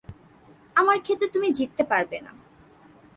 আমার ক্ষেত্রে তুমি জিততে পারবে না।